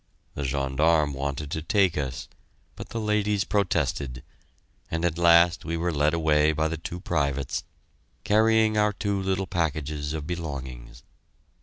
The gendarme wanted to take us, but the ladies protested, and at last we were led away by the two privates, carrying our two little packages of belongings.